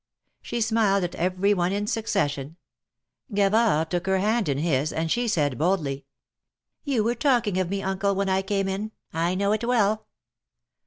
She smiled at every one in succession. Gavard took her hand in his, and she said, boldly ; You were talking of me. Uncle, when I came in ; I know it well."